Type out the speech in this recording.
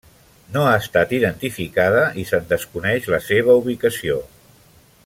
No ha estat identificada i se'n desconeix la seva ubicació.